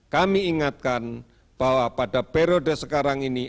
kami ingatkan bahwa pada periode sekarang ini